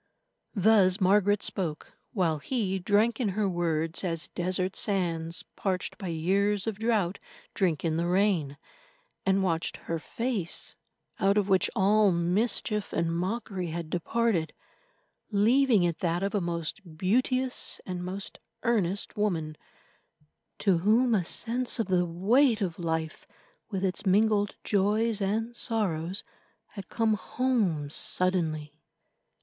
Thus Margaret spoke, while he drank in her words as desert sands, parched by years of drought, drink in the rain—and watched her face, out of which all mischief and mockery had departed, leaving it that of a most beauteous and most earnest woman, to whom a sense of the weight of life, with its mingled joys and sorrows, had come home suddenly.